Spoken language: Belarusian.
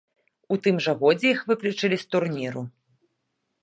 У тым жа годзе іх выключылі з турніру.